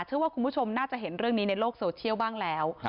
เชื่อว่าคุณผู้ชมน่าจะเห็นเรื่องนี้ในโลกโซเชียลบ้างแล้ว